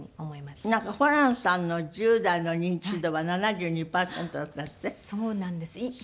なんかホランさんの１０代の認知度は７２パーセントだったんですって？